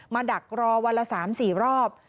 ดักรอวันละ๓๔รอบ